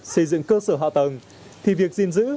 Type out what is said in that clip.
xây dựng cơ sở hạ tầng thì việc gìn giữ